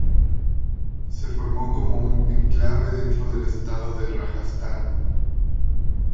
Se formó como un enclave dentro del estado de Rajastán.